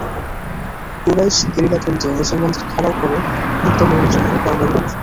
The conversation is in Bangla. কুরাইশ গেরিলা দলটি মুসলমানদের ঘেরাও থেকে মুক্ত হওয়ার জন্য তরবারি কোষমুক্ত করে।